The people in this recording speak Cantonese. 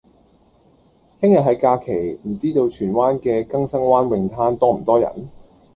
聽日係假期，唔知道荃灣嘅更生灣泳灘多唔多人？